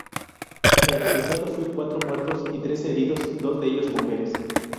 El resultado fue cuatro muertos y trece heridos, dos de ellos mujeres.